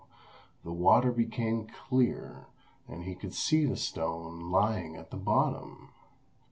the water became clear, and he could see the stone lying at the bottom.